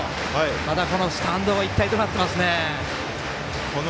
また、このスタンドも一体となっていますね。